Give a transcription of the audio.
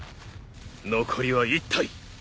残りは１体。